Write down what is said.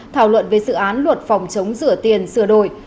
thảo luận về dự án luật phòng chống rửa tiền sửa đổi